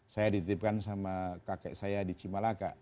saya dititipkan sama kakek saya di cimalaka